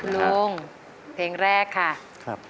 ครับไปเลยครับคุณลุงเพลงแรกค่ะ